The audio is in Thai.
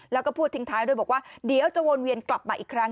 แล้วก็พูดทิ้งท้ายด้วยบอกว่าเดี๋ยวจะวนเวียนกลับมาอีกครั้ง